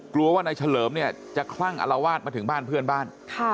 กลัวว่านายเฉลิมเนี่ยจะคลั่งอลวาดมาถึงบ้านเพื่อนบ้าน